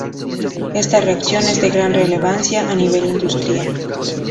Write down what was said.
Ésta reacción es de gran relevancia a nivel industrial.